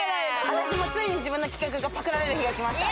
私もついに自分の企画がパクられる日が来ました。